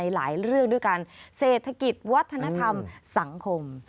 หลายเรื่องด้วยกันเศรษฐกิจวัฒนธรรมสังคม